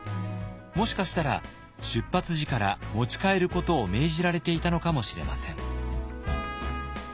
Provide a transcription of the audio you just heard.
もしかしたら出発時から持ち帰ることを命じられていたのかもしれません。